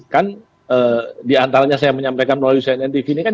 kan diantaranya saya menyampaikan melalui cnn tv ini kan